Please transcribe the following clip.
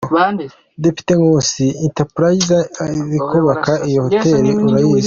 Depite Nkusi: Entreprise iri kubaka iyo hoteli urayizi?